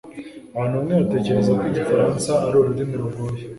abantu bamwe batekereza ko igifaransa ari ururimi rugoye